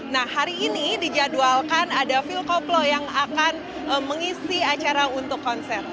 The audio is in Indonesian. nah hari ini dijadwalkan ada phil coplo yang akan mengisi acara untuk konser